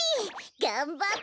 がんばって！